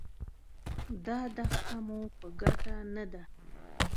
دا دښته مو په ګټه نه ده.